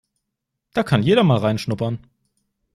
Da kann jeder mal reinschnuppern.